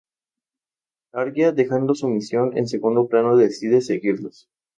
Arya dejando su misión en segundo plano decide seguirlos.